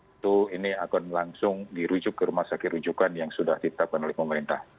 itu ini akan langsung dirujuk ke rumah sakit rujukan yang sudah ditetapkan oleh pemerintah